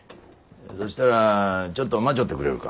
そしたらちょっと待ちょってくれるか。